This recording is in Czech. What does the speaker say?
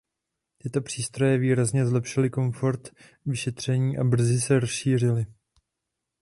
Tyto přístroje výrazně zlepšily komfort vyšetření a brzy se rozšířily.